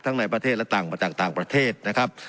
ในประเทศและต่างจากต่างประเทศนะครับ